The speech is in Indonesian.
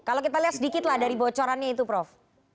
kalau kita lihat sedikit lah dari bocorannya itu prof